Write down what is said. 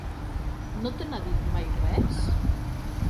No te n'ha dit mai res?